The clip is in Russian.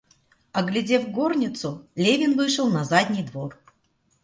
Оглядев горницу, Левин вышел на задний двор.